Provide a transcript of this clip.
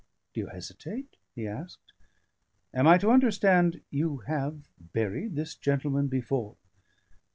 Do you hesitate?" he asked. "Am I to understand you have buried this gentleman before?"